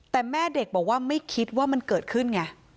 แต่แม่เด็กบอกว่าไม่คิดว่ามันเกิดขึ้นไง